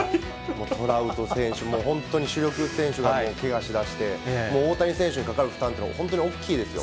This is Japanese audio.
もうトラウト選手も本当に主力選手がけがしだして、もう大谷選手にかかる負担っていうのは、本当に大きいですよ。